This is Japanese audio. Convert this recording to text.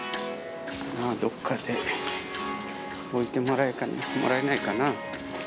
どこかで置いてもらえないかな。